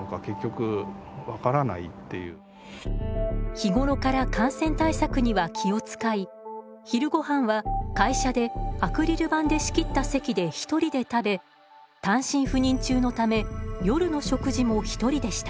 日頃から感染対策には気を遣い昼ごはんは会社でアクリル板で仕切った席で１人で食べ単身赴任中のため夜の食事も１人でした。